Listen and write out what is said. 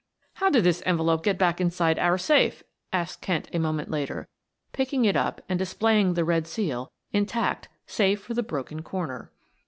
"How did this envelope get back inside our safe?" asked Kent a moment later, picking it up and displaying the red seal, intact save for the broken corner.